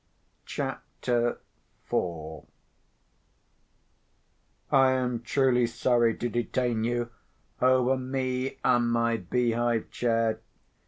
CHAPTER IV I am truly sorry to detain you over me and my beehive chair.